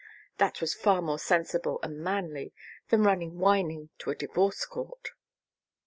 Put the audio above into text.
That was far more sensible and manly than running whining to a divorce court.